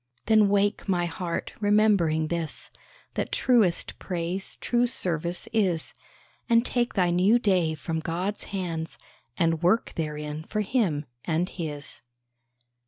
Then wake, my heart, remembering this, That truest praise true service is, And take thy new day from God's hands. And work therein for him and his.